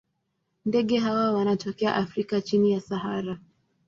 Ndege hawa wanatokea Afrika chini ya Sahara.